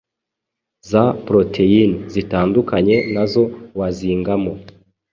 za protein zitandukanye nazo wazingamo